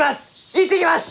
行ってきます！